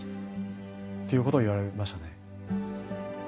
っていうことを言われましたね。